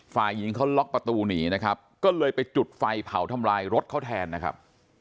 ฝ่ายหญิงเขาล็อกประตูหนีนะครับก็เลยไปจุดไฟเผาทำลายรถเขาแทนนะครับ